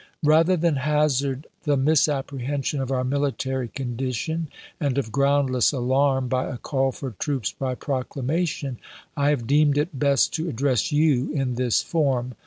Rather than hazard the misappre hension of our military condition and of groundless alarm by a call for troops by proclamation, I have deemed it best to address you in this form.